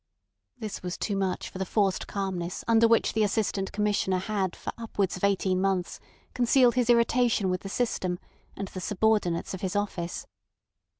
This was too much for the forced calmness under which the Assistant Commissioner had for upwards of eighteen months concealed his irritation with the system and the subordinates of his office.